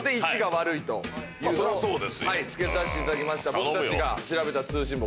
僕たちが調べた通信簿